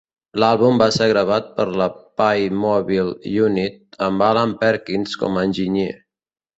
L'àlbum va ser gravat per la Pye Mobile Unit, amb Alan Perkins com a enginyer.